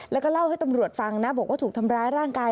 แล้วก็เล่าให้ตำรวจฟังนะบอกว่าถูกทำร้ายร่างกาย